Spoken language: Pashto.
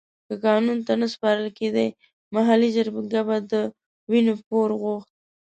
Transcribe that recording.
که قانون ته نه سپارل کېده محلي جرګې به د وينې پور غوښت.